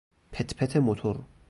پت پت موتور